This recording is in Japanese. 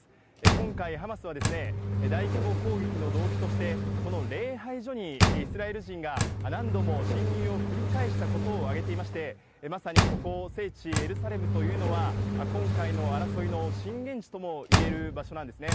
今回、ハマスはですね、大規模攻撃の動機として、この礼拝所にイスラエル人が何度も侵入を繰り返したことを挙げていまして、まさにここ、聖地エルサレムというのは、今回の争いの震源地ともいえる場所なんですね。